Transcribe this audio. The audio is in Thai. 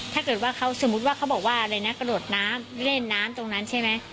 ถ้าเกิดว่าเขาสมมุติว่าเขาบอกว่าอะไรนะกระโดดน้ำเล่นน้ำตรงนั้นใช่ไหม